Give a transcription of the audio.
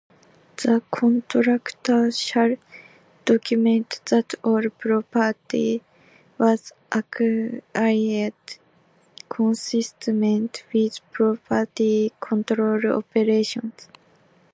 The Contractor shall document that all property was acquired consistent with property control operations.